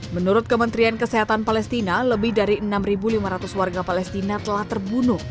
menurut kementerian kesehatan palestina lebih dari enam lima ratus warga palestina telah terbunuh